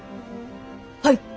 はい！